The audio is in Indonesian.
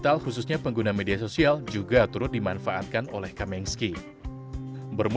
akhirnya lu bisa sesuatu hal yang baru